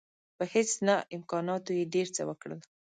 په هیڅ نه امکاناتو یې ډېر څه وکړل.